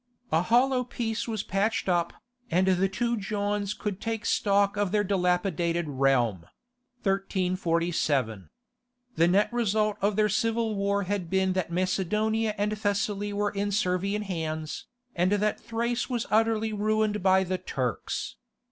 A hollow peace was patched up, and the two Johns could take stock of their dilapidated realm . The net result of their civil war had been that Macedonia and Thessaly were in Servian hands, and that Thrace was utterly ruined by the Turks.